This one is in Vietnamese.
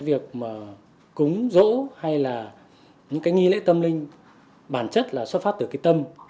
việc mà cúng rỗ hay là những cái nghi lễ tâm linh bản chất là xuất phát từ cái tâm